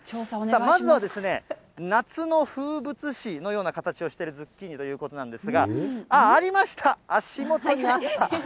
まずは、夏の風物詩のような形をしているズッキーニということなんですが、あ、ありました、足元にあった。